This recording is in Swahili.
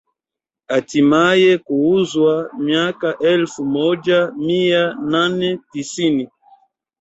Hatimaye kuuzwa mwaka elfu moja mia nane tisini